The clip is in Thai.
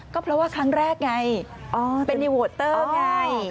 ก็เพราะว่าครั้งแรกไงเป็นรีโวเตอร์ไง